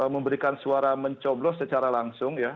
memberikan suara mencoblos secara langsung ya